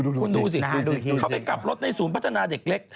คุณดูสิเขาไปกลับรถในศูนย์พัฒนาเด็กเล็ก